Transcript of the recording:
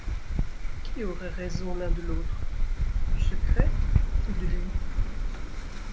Qui aurait raison l’un de l’autre, du secret ou de lui ?